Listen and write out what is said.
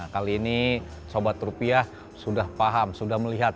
kali ini sobat rupiah sudah paham sudah melihat